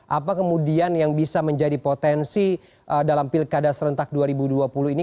apa kemudian yang bisa menjadi potensi dalam pilkada serentak dua ribu dua puluh ini